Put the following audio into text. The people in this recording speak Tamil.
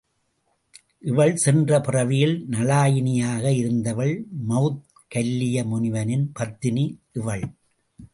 இவள் சென்ற பிறவியில் நளாயினியாக இருந்தவள் மவுத்கல்லிய முனிவனின் பத்தினி இவள்.